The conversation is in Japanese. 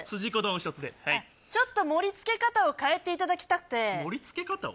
おひとつではいちょっと盛りつけ方を変えていただきたくて盛りつけ方を？